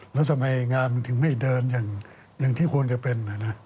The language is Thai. แล้วทำไมงานมันถึงไม่เดินอย่างที่ควรจะเป็น